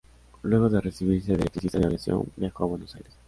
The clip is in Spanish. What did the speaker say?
Luego de recibirse de electricista de aviación, viajó a Buenos Aires.